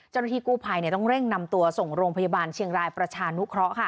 เจ้าหน้าที่กู้ภัยต้องเร่งนำตัวส่งโรงพยาบาลเชียงรายประชานุเคราะห์